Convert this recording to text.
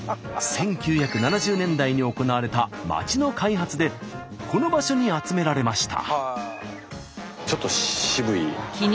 １９７０年代に行われた町の開発でこの場所に集められました。